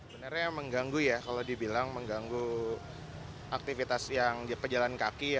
benarnya mengganggu ya kalau dibilang mengganggu aktivitas yang pejalan kaki